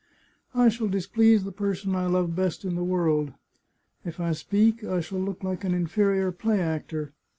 I shall displease the person I love best in the world. If I speak, I shall look like an inferior play actor.